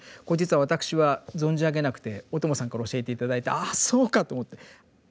これ実は私は存じ上げなくて小友さんから教えて頂いて「ああそうか！」と思って。